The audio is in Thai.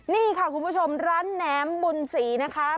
นี่ค่ะคุณผู้ชมร้านแหนมบุญศรีนะคะ